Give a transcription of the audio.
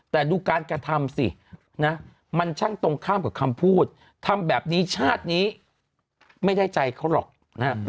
แต่ดูการกระทำสินะมันช่างตรงข้ามกับคำพูดทำแบบนี้ชาตินี้ไม่ได้ใจเขาหรอกนะฮะ